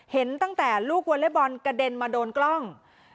เห็นตั้งแต่ลูกวอเล็กบอลกระเด็นมาโดนกล้อง